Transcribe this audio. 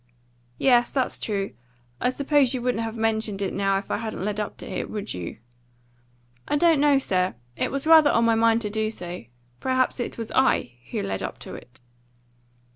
"Yes, that's true. I suppose you wouldn't have mentioned it now if I hadn't led up to it, would you?" "I don't know, sir. It was rather on my mind to do so. Perhaps it was I who led up to it."